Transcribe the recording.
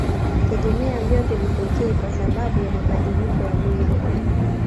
Tegemea vyote vitokee kwa sababu ya mabadiliko ya mwingo